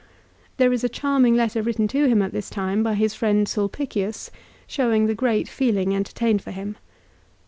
There is a charming letter written to him at this time by his friend Sulpicius showing the great feeling entertained for him.